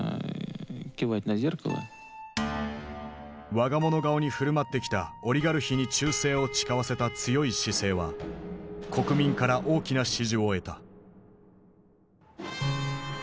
我が物顔に振る舞ってきたオリガルヒに忠誠を誓わせた強い姿勢は国民から大きな支持を得た。